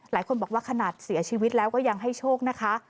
หลายคนบอกว่าขนาดเสียชีวิตแล้วก็ยังให้โชคนะคะ